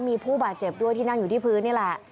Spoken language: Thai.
มีผู้บาดเจ็บด้วยที่นั่งอยู่ที่พื้นนี่แหละ